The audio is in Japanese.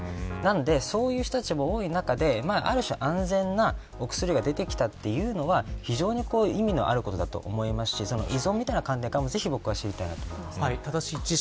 なのでそういう人たちも多い中である種、安全なお薬が出てきたというのは非常に意味のあることだと思いますし依存みたいな観点からも詳しく知りたいです。